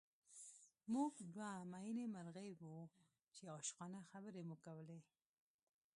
موږ دوه مئینې مرغۍ وو چې عاشقانه خبرې مو کولې